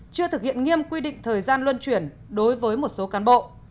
chưa thực hiện nghiêm quy định thời gian luân chuyển đối với một số cán bộ